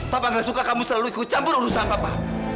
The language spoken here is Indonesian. papa gak suka kamu selalu ikut campur urusan papa